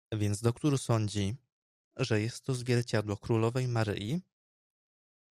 "Więc doktór sądzi, że jest to zwierciadło królowej Maryi?"